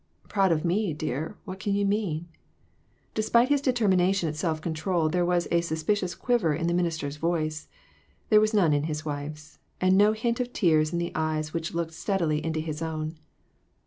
" Proud of me, dear ; what can you mean ?" Despite his determination at self control there was a suspicious quiver in the minister's voice. There was none in his wife's ; and no hint of tears in the eyes, which looked steadily into his own.